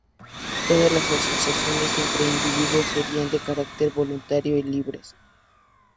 Todas las asociaciones entre individuos serían de carácter voluntario y libres.